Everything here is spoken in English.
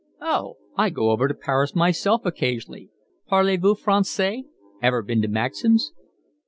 "Oh! I go over to Paris myself occasionally. Parlez vous francais? Ever been to Maxim's?"